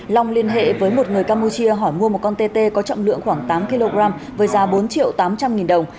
long liên hệ với một người campuchia hỏi mua một con tê tê có trọng lượng khoảng tám kg với giá bốn triệu tám trăm linh nghìn đồng